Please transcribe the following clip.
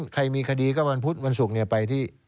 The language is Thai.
ใครมีคดีก็วันพุธวันศุกร์ไปที่